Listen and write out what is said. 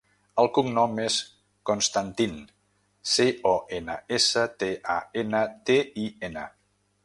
El cognom és Constantin: ce, o, ena, essa, te, a, ena, te, i, ena.